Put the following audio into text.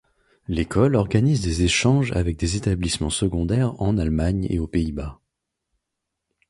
L'école organise des échanges avec des établissements secondaires en Allemagne et aux Pays-Bas.